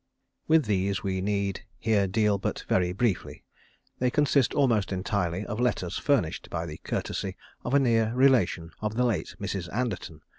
With these we need here deal but very briefly. They consist almost entirely of letters furnished by the courtesy of a near relation of the late Mrs. Anderton (I.)